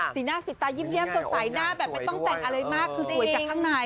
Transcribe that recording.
สีหน้าสีตายิ้มสดใสหน้าแบบไม่ต้องแต่งอะไรมากคือสวยจากข้างใน